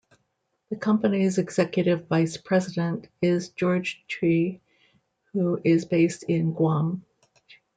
The company's Executive Vice-President is George Chiu, who is based in Guam.